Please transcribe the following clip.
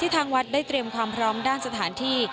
ทางวัดได้เตรียมความพร้อมด้านสถานที่